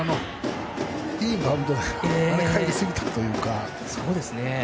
いいバウンドで跳ね返りすぎたというか。